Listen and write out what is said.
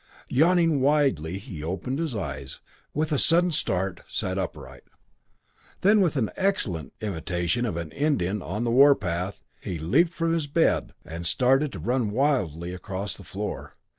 Yawning widely he opened his eyes with a sudden start sat upright then, with an excellent imitation of an Indian on the warpath, he leaped from his bed, and started to run wildly across the floor.